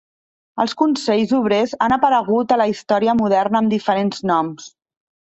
Els consells obrers han aparegut a la història moderna amb diferents noms.